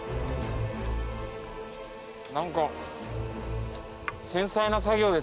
何か繊細な作業ですね。